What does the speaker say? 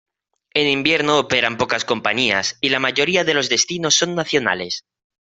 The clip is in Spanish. En invierno operan pocas compañías y la mayoría de los destinos son nacionales.